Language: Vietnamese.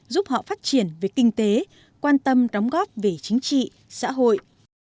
giúp họ phát triển về kinh tế quan tâm đóng góp về chính trị xã hội